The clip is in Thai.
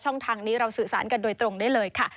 ทางนี้เราสื่อสารกันโดยตรงได้เลยค่ะ